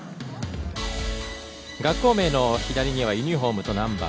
学校名の左にはユニフォームとナンバー。